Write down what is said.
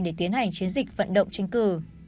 để đánh hành chiến dịch vận động tranh cử